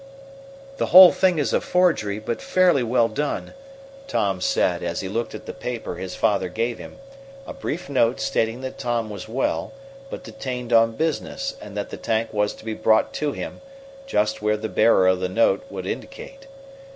"The whole thing is a forgery, but fairly well done," Tom said, as he looked at the paper his father gave him a brief note stating that Tom was well, but detained on business, and that the tank was to be brought to him, just where the bearer of the note would indicate.